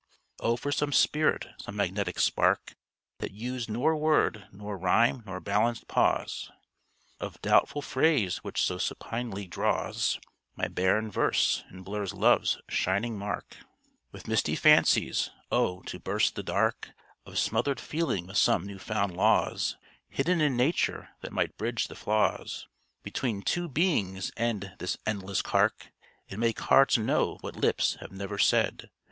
Oh for some spirit, some magnetic spark, That used nor word, nor rhyme, nor balanced pause Of doubtful phrase, which so supinely draws My barren verse, and blurs love's shining mark With misty fancies! Oh! to burst the dark Of smothered feeling with some new found laws, Hidden in nature, that might bridge the flaws Between two beings, end this endless cark, And make hearts know what lips have never said!